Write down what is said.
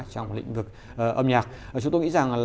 trong lĩnh vực âm nhạc chúng tôi nghĩ rằng